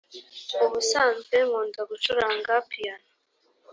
ubusanzwe nkunda gucuranga piyano